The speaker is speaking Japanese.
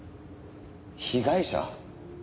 被害者？